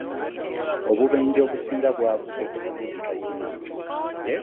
Obubenje obusinga bwavudde ku kuvugisa kimama.